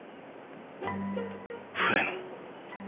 笛野。